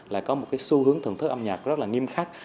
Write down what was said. lại có một cái xu hướng thưởng thức âm nhạc rất là nghiêm khắc